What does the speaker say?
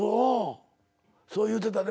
そう言うてたで。